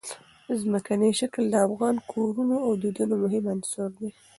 ځمکنی شکل د افغان کورنیو د دودونو مهم عنصر دی.